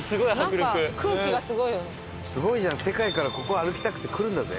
すごいじゃん世界からここ歩きたくて来るんだぜ。